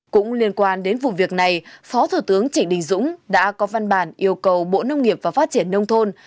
cũng liên quan đến vụ việc này phó thủ tướng trịnh đình dũng đã có văn bản yêu cầu bộ nông nghiệp và phát triển nông thôn